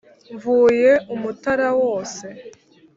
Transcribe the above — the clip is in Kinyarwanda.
mvuye u mutara wose